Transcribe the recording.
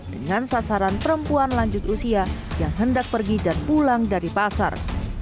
dengan sasaran perempuan lanjut usia yang hendak pergi dan pulang dari pasar